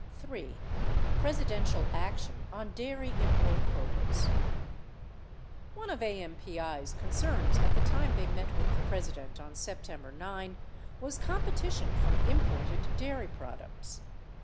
62 3 . presidential action on dairy import quotas One of AMPI's concerns at the time they met with the President on September 9 was competition from imported dairy products.